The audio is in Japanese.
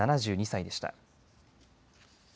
７２歳でした。